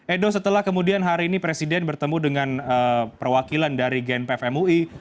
edo setelah kemudian hari ini presiden bertemu dengan perwakilan dari gnpf mui